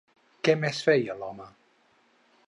Què més feia l'home?